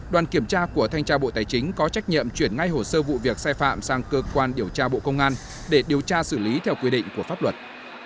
đoàn kiểm tra của thanh tra bộ tài chính có trách nhiệm chuyển ngay hồ sơ vụ việc sai phạm sang cơ quan điều tra bộ công an để điều tra xử lý theo quy định của pháp luật